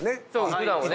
普段はね。